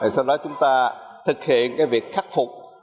sau đó chúng ta thực hiện việc khắc phục